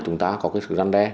chúng ta có cái sự răn đe